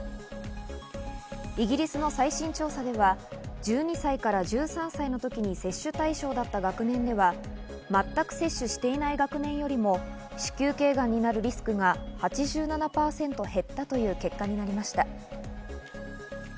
イギリスの最新調査では、１２歳から１３歳の時に接種対象だった学年では全く接種していない学年よりも子宮頸がんになるリスクが８７％減ったという結果になりました。